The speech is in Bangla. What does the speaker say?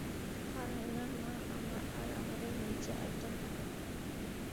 কারণ উনার মা, আর আমাদের মির্জা, একদম একরকম।